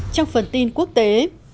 trong phần tin quốc tế